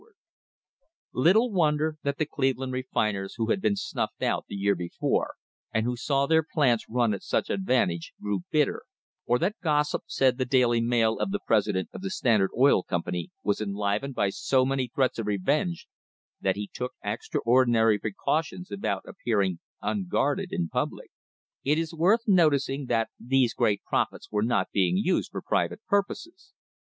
THE HISTORY OF THE STANDARD OIL COMPANY Little wonder that the Cleveland refiners who had been snuffed out the year before, and who saw their plants run at such advantage, grew bitter, or that gossip said the daily mail of the president of the Standard Oil Company was enlivened by so many threats of revenge that he took extraordinary precau tions about appearing unguarded in public. It is worth noticing that these great profits were not being used for private purposes.